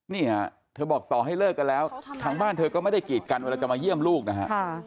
นี่ฮะเธอบอกต่อให้เลิกกันแล้วทางบ้านเธอก็ไม่ได้กีดกันเวลาจะมาเยี่ยมลูกนะฮะ